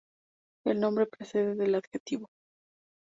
El nombre precede al adjetivo.